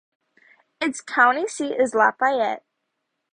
Its county seat is Lafayette.